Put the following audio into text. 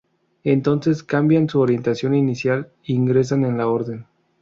Entonces cambian su orientación inicial, ingresan en la orden.